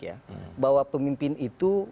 ya bahwa pemimpin itu